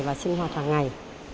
và sinh hoạt hàng ngày